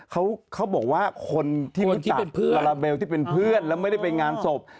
เขาบอกว่าคนที่รู้จักลาลาเบลที่เป็นเพื่อนแล้วไม่ได้ไปงานศพ